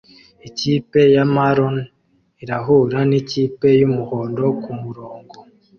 Ikipe ya maroon irahura nikipe yumuhondo kumurongo